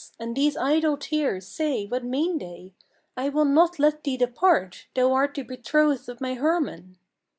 and these idle tears, say, what mean they? I will not let thee depart: thou art the betrothed of my Hermann."